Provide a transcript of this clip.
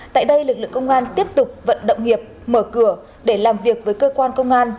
tại đây lực lượng công an tiếp tục vận động hiệp mở cửa để làm việc với cơ quan công an